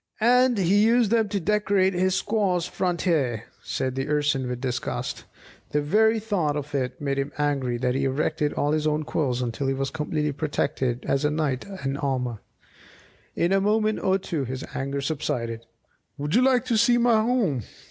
"And he used them to decorate his squaw's front hair!" said the Urson with disgust. The very thought of it made him so angry that he erected all his own quills until he was as completely protected as a knight in armour. In a moment or two his anger subsided. "Would you like to see my home?"